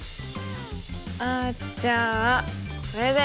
あじゃあこれで。